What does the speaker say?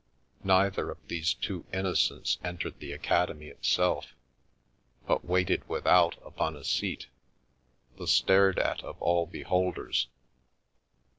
Neither of these two innocents entered the Academy itself, but waited without upon a seat, the stared at of all beholders.